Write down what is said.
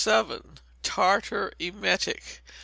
Tartar Emetic.